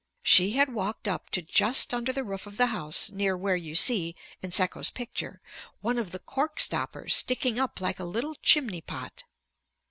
She had walked up to just under the roof of the house near where you see (in Sekko's picture) one of the cork stoppers sticking up like a little chimney pot.